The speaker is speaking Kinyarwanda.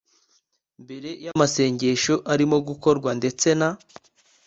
mbere y amasezerano arimo gukorwa ndetse na